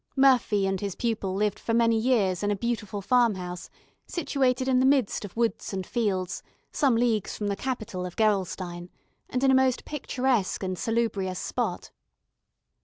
Murphy and his pupil lived for many years in a beautiful farmhouse, situated in the midst of woods and fields, some leagues from the capital of Gerolstein, and in a most picturesque and salubrious spot.